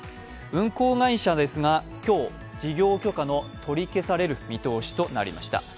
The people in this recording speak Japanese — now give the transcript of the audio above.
運航会社ですが今日、事業許可を取り消される見通しとなりました。